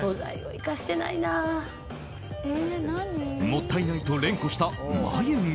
もったいないと連呼した眉毛。